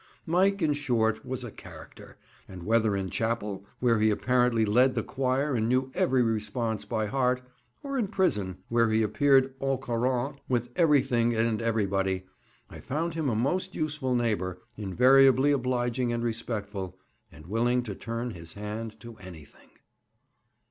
Mike, in short, was a character, and whether in chapel, where he apparently led the choir and knew every response by heart, or in the prison, where he appeared au courant with everything and everybody, I found him a most useful neighbour, invariably obliging and respectful, and willing to turn his hand to anything.